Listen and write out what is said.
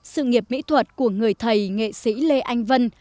sự nghiệp mỹ thuật của người thầy nghệ sĩ lê anh vân